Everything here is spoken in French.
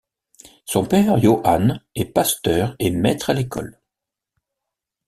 Son père, Johann, est pasteur et maître à l'école.